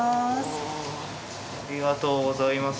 ありがとうございます。